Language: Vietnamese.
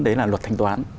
đấy là luật thanh toán